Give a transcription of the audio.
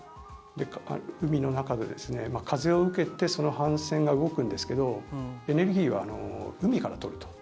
海の中で風を受けてその帆船が動くんですけどエネルギーは海から取ると。